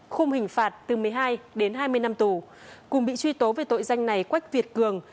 khung hình phạt từ một mươi hai đến hai mươi năm tù cùng bị truy tố về tội danh này quách việt cường